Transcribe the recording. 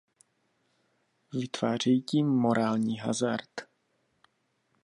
Vytvářejí tím morální hazard.